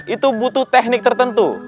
itu butuh teknik tertentu